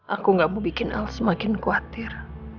aku tidak mau bikin al semakin khawatir